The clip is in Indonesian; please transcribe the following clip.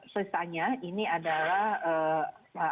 sesuatunya ini adalah